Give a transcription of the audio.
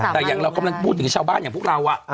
แต่อย่างเรากำลังพูดถึงชาวบ้านอย่างพวกเรา